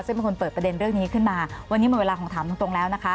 ซึ่งเป็นคนเปิดประเด็นเรื่องนี้ขึ้นมาวันนี้หมดเวลาของถามตรงแล้วนะคะ